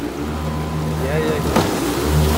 Nga akayad.